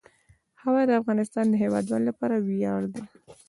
هوا د افغانستان د هیوادوالو لپاره ویاړ دی.